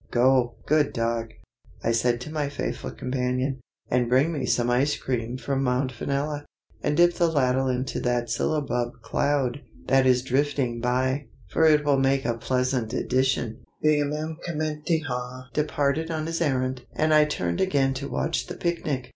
"Go, good dog," I said to my faithful companion, "and bring me some ice cream from Mt. Vanilla. And dip the ladle into that syllabub cloud that is drifting by, for it will make a pleasant addition." Bmfkgth departed on his errand, and I turned again to watch the picnic.